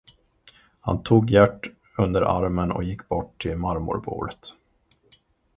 Han tog Gert under armen och gick bort till marmorbordet.